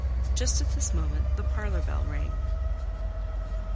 Just at this moment the parlour bell rang.